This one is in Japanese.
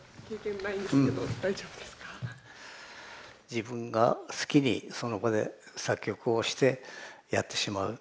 自分が好きにその場で作曲をしてやってしまう。